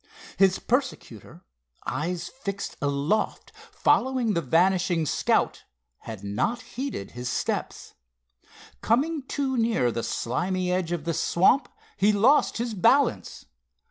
His persecutor, eyes fixed aloft, following the vanishing Scout, had not heeded his steps. Coming too near the slimy edge of the swamp he lost his balance.